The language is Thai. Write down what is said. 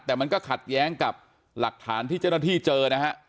แต่มันก็ขัดแย้งกับหลักฐานที่เจ้าหน้าที่เจอนะฮะ